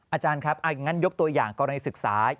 อาจารย์ครับอย่างนั้นยกตัวอย่างกรณีศึกษา